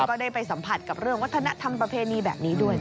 ก็ได้ไปสัมผัสกับเรื่องวัฒนธรรมประเพณีแบบนี้ด้วย